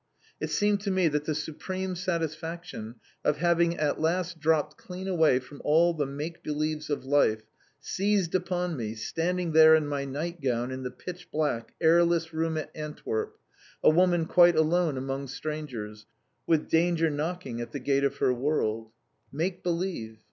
It seemed to me that the supreme satisfaction of having at last dropped clean away from all the make believes of life, seized upon me, standing there in my nightgown in the pitch black, airless room at Antwerp, a woman quite alone among strangers, with danger knocking at the gate of her world. Make believe!